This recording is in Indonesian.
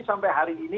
sampai hari ini